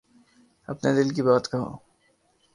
اپنے دل کی بات کہو۔